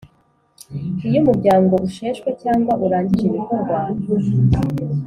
Iyo umuryango usheshwe cyangwa urangije ibikorwa